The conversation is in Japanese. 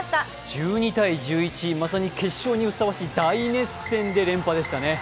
１２−１１、まさに決勝にふさわしい大接戦で決着しましたね。